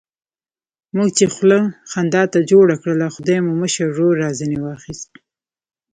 موږ چې خوله خندا ته جوړه کړله، خدای مو مشر ورور را ځنې واخیست.